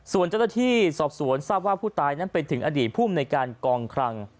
ส่วนเจ้าหน้าที่สอบสวนทราบว่าผู้ตายนั้นเป็นถึงอดีตภูมิในการกองคลัง